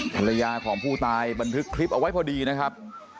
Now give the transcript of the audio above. ภรรยาของผู้ตายบันทึกคลิปเอาไว้พอดีนะครับ